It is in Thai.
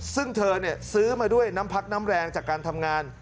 ซึ่งเธอซื้อมาด้วยน้ำพักน้ำแรงจากการทำงาน